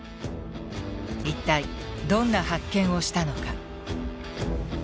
一体どんな発見をしたのか？